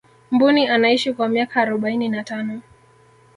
mbuni anaishi kwa miaka arobaini na tano